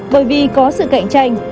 bởi vì có sự cạnh tranh